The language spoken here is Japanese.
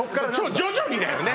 徐々にだよね